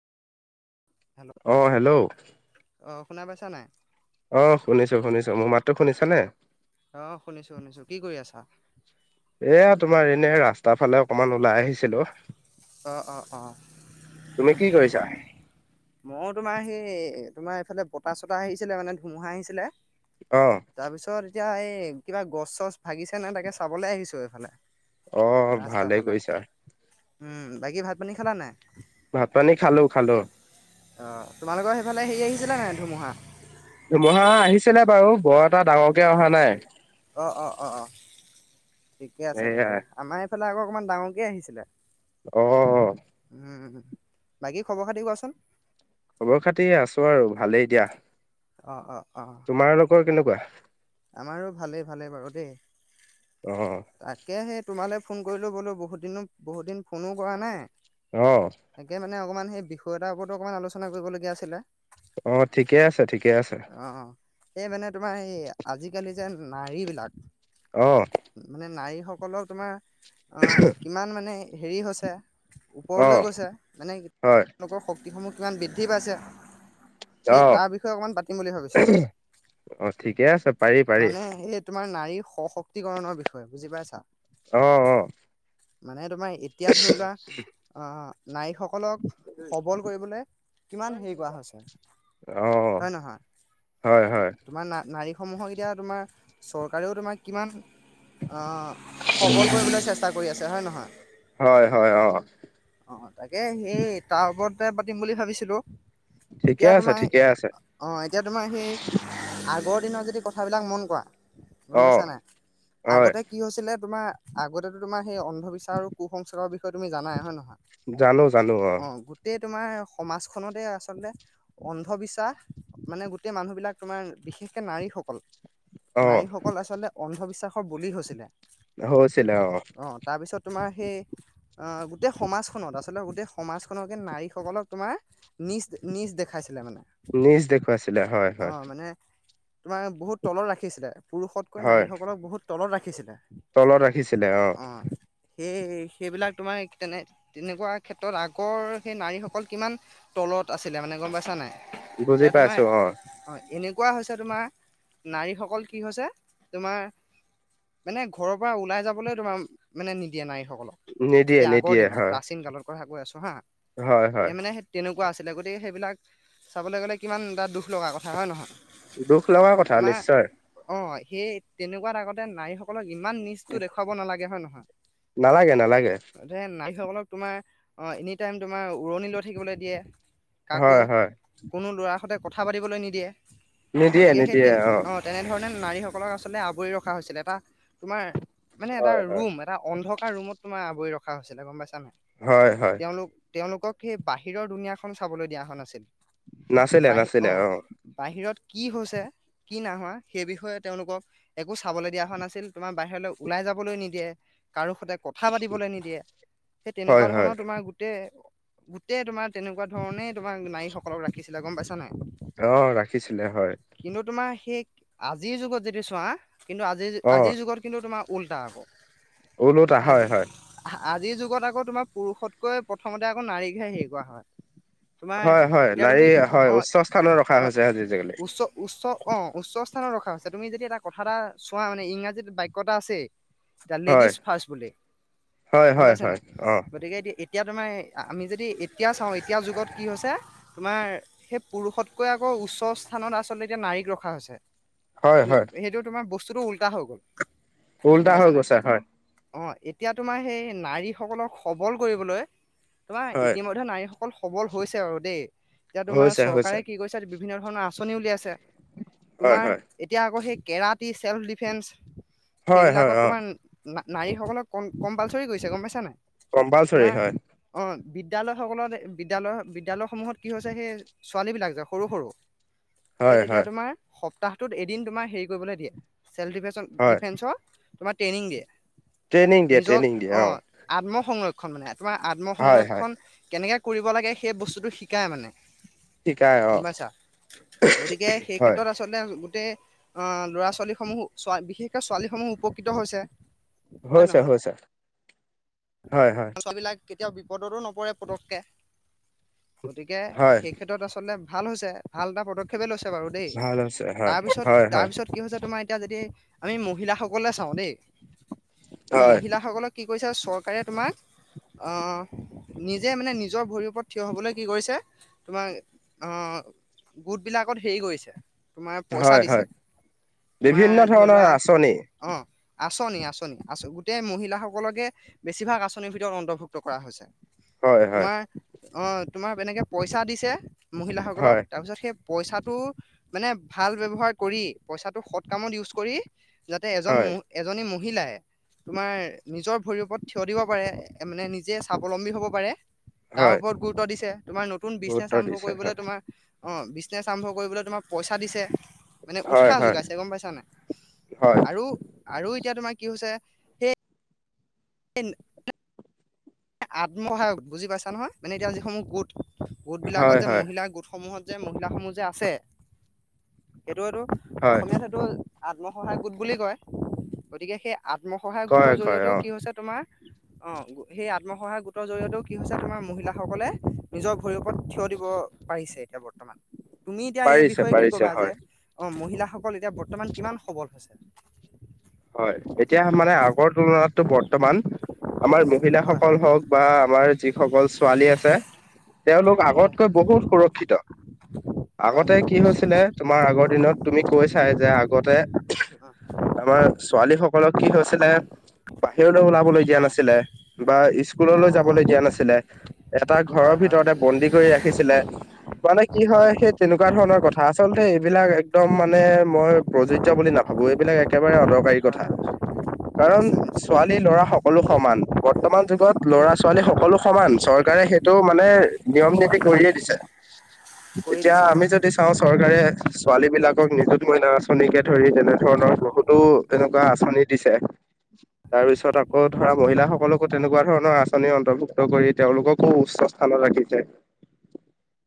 Hello অঁ, hello. অঁ, শুনা পাইছা নাই? অঁ, শুনিছোঁ শুনিছোঁ। মোৰ মাতটো শুনিছানে? অঁ, শুনিছোঁ শুনিছোঁ। কি কৰি আছা? এ, তোমাৰ এনে ৰাস্তাৰ ফালে অকণমান ওলাই আহিছিলোঁ। অঁ, অঁ, অঁ। কি কৰিছা? ময়ো তোমাৰ সেই তোমাৰ এইফালে বতাহ- চতাহ আহিছিলে মানে ধুমুহা আহিছিলে- অহ- তাৰপিছত এতিয়া এই কিবা গছ- চছ ভাঙিছে নে তাকে চাবলৈ আহিছোঁ এইফালে। অঁ, ৰাস্তাৰ ভালেই ফালে কৰিছা। উম, বাকী ভাত পানী খালা নাই? ভাত পানী খালো খালো। অঁ, তোমালোকৰ সেইফালে হেৰি আহিছে নাই ধুমুহা? ধুমুহা আহিছিলে বাৰু, বৰ এটা ডাঙৰকে অহা নাই। অঁ, অঁ, অঁ ঠিকে আছে সেয়াই। তেতিয়া। আমাৰ এইফালে আকৌ অকমান ডাঙৰকে আহিছিলে। অঁ, অঁ, অঁ। উম, বাকী খবৰ খাতি কোৱাচোন? খবৰ খাতি আছো আৰু ভালেই দিয়া। অঁ, অঁ, অঁ। তোমাৰলোকৰ কেনেকুৱা? আমাৰো ভালেই ভালে বাৰু দেই। অঁ। তাকেহে তোমালৈ ফোন কৰিলোঁ বোলো বহুত দিন ফোনো কৰা নাই। অ তাকে মানে অকমান সেই বিষয় এটাৰ ওপৰতো অকণমান আলোচনা কৰিবলগীয়া আছিলে। অঁ, ঠিকে আছে, ঠিকে আছে। অঁ, অঁ। সে মানে তোমাৰ এই আজিকালি যে নাৰী বিলাক- অঁ। মানে নাৰীসকলৰ তোমাৰ- অঁ, কিমান মানে হেৰি হৈছে, অ ওপৰলৈ গৈছে মানে- হয় তেওঁলোকৰ শক্তিসমূহ কিমান বৃদ্ধি পাইছে। সেই অঁ, তাৰ বিষয়ে অকমান পাতিম বুলি ভাবিছিলো। অঁ ঠিকে আছে। পাৰি পাৰি মানে এই তোমাৰ নাৰীৰ সশক্তিকৰণৰ বিষয়ে বুজি পাইছা। অঁ, অঁ। মানে তোমাৰ এতিয়া ধৰি লোৱা আহ নাৰীসকলক- সবল কৰিবলৈ কিমান হেৰি কৰা হৈছে! অঁ, হয় নহয় হয় -হয়। তোমাৰ না নাৰীসমুহক এতিয়া চৰকাৰেও তোমাক কিমান অঁ- সবল কৰিবলৈ চেষ্টা কৰি আছে হয়, নহয়? হয় হয় অ অঁ, তাকে সেই তাৰ ওপৰতে পাতিম বুলি ভাবিছিলোঁ। ঠিকে এতিয়া আছে তোমাৰ ঠিকে আছে অঁ, এতিয়া তোমাৰ সেই আগৰ দিনৰ - কথাবিলাক মন কৰা অ গম পাইছা নাই? হয় আগতে কি হৈছিলে তোমাৰ! আগতে টো তোমাৰ সেই অন্ধবিশ্বাস আৰু কু সংস্কাৰৰ বিষয়ে তুমি জানাই হয়, নহয়? জানোঁ-জানোঁ অ'! অ'! গোটেই তোমাৰ, সমাজখনতে আচলতে, অন্ধবিশ্বাস। মানে, গোটেই মানুহ বিলাক তোমাৰ, বিশেষকে নাৰীস কল। অ নাৰীসকল আচলতে, অন্ধবিশ্বাসৰ বলি হৈছিলে। হৈছিলে, অ'! অ'! তাৰপিছত তোমাৰ সেই, আঁ গোটেই সমাজখনত, আচলতে গোটেই সমাজখনকে, নাৰীসকলক তোমাৰ নীচ, নীচ দেখাইছিলে, মানে। নীচ দেখুৱাইছিলে, হয়, অ হয়। মানে তোমাৰ, বহুত তলত ৰাখিছিলে। পুৰুষতকৈ হয় নাৰীসকলক বহুত তলত ৰাখিছিলে। তলত ৰাখিছিলে অ'! সেই, সেইবিলাক তোমাৰ, তেনে-তেনেকুৱা ক্ষেত্ৰত আগৰ, সেই নাৰীসকল কিমান তলত আছিলে মানে। গম পাইছা নাই? বুজি এতিয়া তোমাৰ, পাইছো অ হয়! এনেকুৱা হৈছে তোমাৰ নাৰীসকল কি হৈছে! তোমাৰ মানে, ঘৰৰ পৰা ওলাই যাবলৈ, তোমাৰ মানে, নিদিয়ে নাৰীসকলক। নিদিয়ে সেই, আগৰ নিদিয়ে দিনত, হয় প্ৰাচীন কালৰ কথা কৈ আছোঁ, হা! হয় হয় এ, মানে তেনেকুৱা আছিলে। গতিকে, সেইবিলাক চাবলৈ গ'লে, কিমান এটা দুখ লগা কথা! হয় নহয়? দুখ লগা কথা! আমাৰ নিশ্চয়। অ'! সেই, তেনেকুৱাত আগতে, নাৰীসকলক ইমান নীচটো দেখুৱাব নালাগে। হয়, নহয়? এ নালাগে। তাতে, নাৰীসকলক তোমাৰ, অ'! এনিটাইম তোমাৰ, উৰণি লৈ থাকিবলৈ দিয়ে। কাকো, হয় হয় কোনো ল'ৰাৰ সৈতে, কথা পাতিবলৈ নিদিয়ে। গতিকে সেই নিদিয়ে-নিদিয়ে, তেন অ'! অ'! তেনেধৰণে, নাৰীসকলক আচলতে আৱৰি ৰখা হৈছিলে, এটা তোমাৰ, মানে এটা হয় হয় ৰুম। এটা অন্ধকাৰ ৰুমত তোমাৰ, আৱৰি ৰখা হৈছিলে। গম পাইছা নাই? হয়, হয়! তেওঁলোক, তেওঁলোকক সেই, বাহিৰৰ দুুনীয়াখন চাবলৈ দিয়া হোৱা নাছিল। নাছিলে বাহিৰ, নাছিলে অ'! বাহিৰত কি হৈছে, কি নাই হোৱা। সেই বিষয়ে, তেওঁলোকক একো চাবলৈ দিয়া হোৱা নাছিল। তোমাৰ বাহিৰলৈ ওলাই যাবলৈ নিদিয়ে। কাৰো হঁতে কথা পাতিবলৈ নিদিয়ে। সেই হয় তেনেকুৱা হয় ধৰণৰ তোমাৰ গোট-গোটেই তোমাৰ, তেনেকুৱা ধৰণে তোমাৰ, নাৰীসকলক ৰাখিছিলে। গম পাইছা নাই? অ'! ৰাখিছিলে, হয়। কিন্তু তোমাৰ সেই, আজিৰ যুগত যদি চোৱা, কিন্তু আজিৰ, অ আজিৰ যুগত কিন্তু তোমাৰ উল্টা আক। ওলোটা হয় আজি, হয় আজিৰ যুগত আকৌ তোমাৰ পুৰুষতকৈ, প্ৰথমতে আকৌ, নাৰীকহে সেৰি কৰা হয়। তোমাৰ হয়, হয়! এতিয়া তুমি নাৰী হয়, অ উচ্চ স্থানত ৰখা অ হৈছে, আজি- আজিকালি। উচ্চ উচ্চ অ'! উচ্চ স্থানত ৰখা হৈছে। তুমি যদি, এটা কথা এটা চোৱা মানে, ইংৰাজীত বাক্য এটা আছে। দা হয় লেডিজ ফাৰ্ষ্ট বুলি। হয় গম হয় পাইছা হয় নাই? অ গতিকে, এতিয়া এতিয়া তোমাৰ, আমি যদি এতিয়া চাওঁ, এতিয়াৰ যুগত কি হৈছে! তোমাৰ, সেই পুৰুষতকৈ আকৌ, উচ্চ স্থানত আচলতে এতিয়া, নাৰীক ৰখ ৰখা হৈছে। হয় হয় সেইটো তোমাৰ, বস্তুটো উল্টা হৈ গ'ল। গম উল্টা হৈ পাইছা নাই? গৈছে হয় অ'! এতিয়া তোমাৰ, সেই নাৰীসকলক সবল কৰিবলৈ তোমাৰ, হয় ইতিমধ্যে নাৰীসকল সবল হৈছে বাৰু দেই। এতিয়া, তোমাৰ হৈছে হৈছে চৰকাৰে কি কৰিছে, বিভিন্ন ধৰণৰ আঁচনিও উলিয়াইছে। হয় তোমাৰ হয় এতিয়া আকৌ সেই কেৰাটী, চেল্ফ ডিফেন্স, হয় হয় সেইবিলাকত অ তোমাৰ না নাৰীসকলক ক কম্পালচৰি কৰিছে গম পাইছা নাই কম্পালচৰি তোমাৰ হয়। অ বিদ্যালয়সকলত বিদ্যালয় বিদ্যালয়সমূহত কি হৈছে সেই ছোৱালীবলাক যে সৰু সৰু এই হয় তেতিয়া হয় তোমাৰ সপ্তাহটোত এদিন তোমাৰ হেৰি কৰিবলৈ দিয়ে, চেল্ফ ডিফেন্সত হয় ডিফেন্সৰ তোমাৰ ট্ৰেইনিং দিয়ে, ট্ৰেইনিং দিয়ে নিজক ট্ৰেইনিং দিয়ে অ আত্মসংৰক্ষণ মানে, তোমাৰ হয় হয় আত্মসংৰক্ষণ কেনেকে কৰিব লাগে সেই বস্তুটো শিকায় মানে শিকাই অ গম পাইছা, গতিকে সেই ক্ষে হয় আচলতে গোটেই অহ ল'ৰা-ছোৱালীসমূহ বিশেষকে ছোৱালী সমূহ উপকৃত হৈছে। হয় হৈছে, নহয় হৈছে। হয় হয় ছোৱালীবিলাক কেতিয়াও বিপদতো নপৰে পতককে, গতিকে হয় সেই ক্ষেত্ৰত আচলতে ভাল হৈছে, ভাল এটা পদক্ষেপেই লৈছে বাৰু দেই ভাল হৈছে হয় তাৰপিছত হয় হয় তাৰপিছত কি হৈছে তোমাৰ এতিয়া যদি আমি মহিলাসকলে চাওঁ দেই, আমি হয় মহিলাসকলক কি কৰিছে আৰু চৰকাৰে তোমাক অহ নিজে মানে নিজৰ ভৰিৰ ওপৰত থিয় হবলৈ কি কৰিছে তোমাৰ অ গোটবিলাকত হেৰি কৰিছে তোমাৰ পইছা হয় দিছে, হয় তোমাৰ বিভিন্ন ধৰি ধৰণৰ লোৱা আঁচনি অ আচনি, আচনি আচ গোটেই মহিলাসকলকে বেছিভাগ আঁচনিৰ ভিতৰত অন্তৰ্ভুক্ত কৰা হৈছে হয় হয় তোমাৰ অ তোমাক এনেকে পইচা দিছে মহিলাসকলক হয় তাৰপিছত সেই পইচাটো মানে ভাল ব্যৱহাৰ কৰি, পইচাটো সৎ কামত ইউজ কৰি যাতে এজন হয় এজনী মহিলাই তোমাৰ নিজৰ ভৰিৰ ওপৰত থিয় দিব পাৰে মানে নিজে স্বাৱলম্বী হ'ব পাৰে। তাৰ হয় ওপৰত গুৰুত্ব দিছে তোমাৰ নতুন বিজনেছ গুৰুত্ব আৰম্ভ দিছে কৰিবলে হয় তোমাৰ অ বিজনেছ আৰম্ভ কৰিবলৈ তোমাক পইচা দিছে। মানে হয় উৎসাহ হয় যোগাইছে গম পাইছা নাই হয় আৰু আৰু এতিয়া তোমাৰ কি হৈছে এন আত্মসহায়ক বুজি পাইছা নহয় মানে এতিয়া যিসমূহ গোট গোট বিলাকত হয় যে হয় মহিলাৰ গোটসমূহত যে মহিলাসমূহ যে আছে সেইটো এইটো হয় অসমীয়াত সেইটো আত্মসহায়ক গোট বুলি কয় গতিকে সেই আত্মসহায়ক গোটৰ কয় কয় জৰিয়তেও অ কি হৈছে তোমাৰ অ সেই আত্মসহায়ক গোটৰ জৰিয়তেও কি হৈছে তোমাৰ মহিলাসকলে নিজৰ ভৰিৰ ওপৰত থিয় দিব পাৰিছে এতিয়া বৰ্তমান তুমি এতিয়া এই পাৰিছে বিষয়ে কি পাৰিছে কবা যে হয় অ মহিলাসকল এতিয়া বৰ্তমান কিমান সবল হৈছে হয় এতিয়া মানে আগৰ তুলনাতটো বৰ্তমান আমাৰ হয় হয় মহিলাসকল হওক বা আমাৰ যিসকল ছোৱালী আছে তেওঁলোক হয় হয় আগতকৈ বহুত সুৰক্ষিত হয় হয় আগতে কি নিশ্চয় হৈছিলে নিশ্চয় তোমাৰ আগৰ দিনত তুমি কৈ চাই যে আগতে আমাৰ ছোৱালীস লক কি হৈছিলে বাহিৰলৈ ওলাবলৈ অ দিয়া অ নাছিলে বা অ অ স্কুললৈ যাবলৈ দিয়া নাছিলে এটা ঘৰৰ হয় হয় ভিতৰতে বন্দি কৰি ৰাখিছিলে মানে কি হয় সেই তেনেকোৱা ধৰণৰ কথা আচলতে এইবিলাক একদম মানে মই প্ৰযো জ্য বুলি নাভাবো এইবিলাক একেবাৰে অদৰকাৰী হয় কথা। হয় কাৰণ নিশ্চয় নিশ্চয় ছোৱালী ল'ৰা সকলো সমান বৰ্তমান যুগত উম ল'ৰা ছোৱালী সকলো সমান চৰকাৰে সে ইটো মানে নিয়ম নীতি কৰিয়ে দিছে। হয়। কৰি এতিয়া দিছে আমি হয় যদি চাওঁ। চৰকাৰে ছোৱালী বিলাকক নিজুত মইনা আঁচনিকে ধৰি তেনে ধৰণৰ বহুত টো তেনেকুৱা হয় আঁচনি দিছে। তাৰ পিছত আকৌ ধৰা, মহিলাসকলকো তেনেকুৱা ধৰণৰ আঁচনি অন্তৰ্ভুক্ত কৰি তেওঁলোককো উচ্চ কামৰ ৰাখিছে।